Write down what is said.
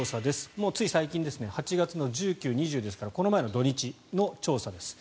もうつい最近ですね８月の１９、２０ですからこの間の土日の調査です。